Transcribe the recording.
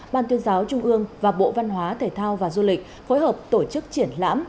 ban tuyên giáo trung ương và bộ văn hóa thể thao và du lịch phối hợp tổ chức triển lãm